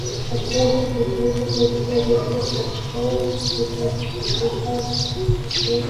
অর্থনীতি খুব দ্রুতগতিতে এগোতে থাকলে ফেডারেল রিজার্ভ তার বেঞ্চমার্ক সুদহার বাড়িয়ে দেয়।